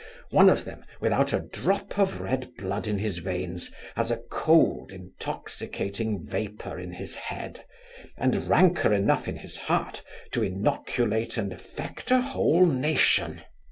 One of them, without a drop of red blood in his veins, has a cold intoxicating vapour in his head; and rancour enough in his heart to inoculate and affect a whole nation.